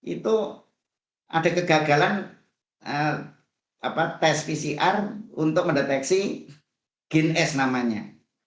itu ada kegagalan tes pcr untuk mendeteksi gen s namanya